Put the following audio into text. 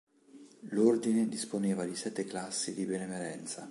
L'Ordine disponeva di sette classi di benemerenza.